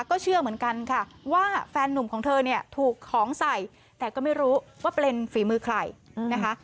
ก็เชื่อเหมือนกันค่ะว่าแฟนนุ่มของเธอเนี่ยถูกของใส่แต่ก็ไม่รู้ว่าเป็นฝีมือใครนะคะ